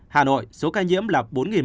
hà nội số ca nhiễm là bốn một trăm sáu mươi tám